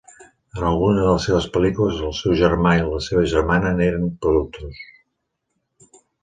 En algunes de les seves pel·lícules, el seu germà i la seva germana n"eren productors.